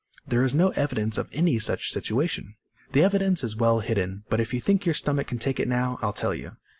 "There is no evidence of any such situation." "The evidence is well hidden. But if you think your stomach can take it now, I'll tell you.